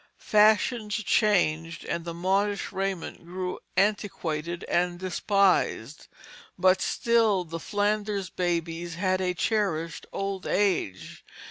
Fashions changed, and the modish raiment grew antiquated and despised; but still the "Flanders babies" had a cherished old age.